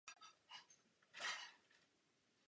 Jméno stanice je odvozeno od názvu ulice "Rue Étienne Marcel".